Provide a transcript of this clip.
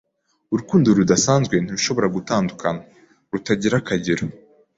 urukundo rudasanzwe, ntirushobora gutandukana, rutagira akagero.